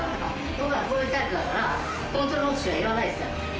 僕はこういうタイプだからホントのことしか言わないですから。